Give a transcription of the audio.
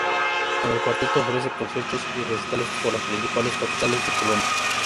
Con el cuarteto ofrece conciertos y recitales por las principales capitales de Colombia.